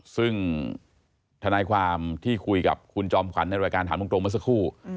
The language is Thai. ซึ่งทนายความที่คุยกับคุณจอมขวัญในรายการถามตรงเมื่อสักครู่